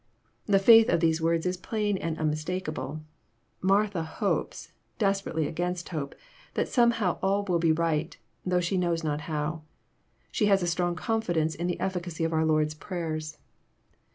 The faith of these words is plain and unmistakable. Martha hopes, desperately against hope, that somehow all will be right, though she knows not how. She has strong confidence in the efficacy of our Lord's prayers.